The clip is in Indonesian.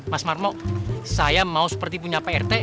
mas marmo saya mau seperti punya prt